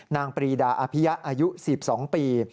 นางปรีดาอาพิยะอายุ๑๒ปี